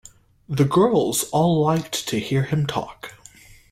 The girls all liked to hear him talk.